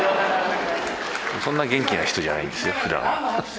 そんな元気な人じゃないんですよね、ふだんは。